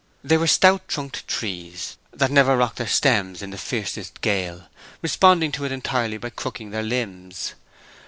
They were stout trunked trees, that never rocked their stems in the fiercest gale, responding to it entirely by crooking their limbs.